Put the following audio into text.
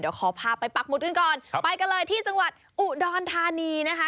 เดี๋ยวขอพาไปปักหมุดกันก่อนไปกันเลยที่จังหวัดอุดรธานีนะคะ